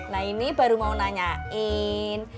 nah ini baru mau nanyain